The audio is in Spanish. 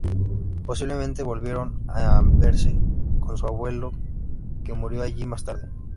Posiblemente volvieron a Amberes con su abuelo, que murió allí más tarde.